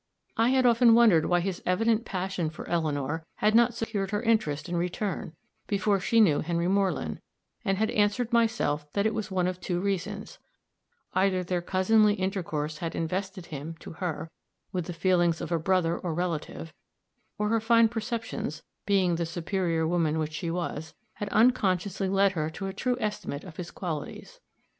I had often wondered why his evident passion for Eleanor had not secured her interest in return, before she knew Henry Moreland, and had answered myself that it was one of two reasons: either their cousinly intercourse had invested him, to her, with the feelings of a brother or relative, or her fine perceptions, being the superior woman which she was, had unconsciously led her to a true estimate of his qualities.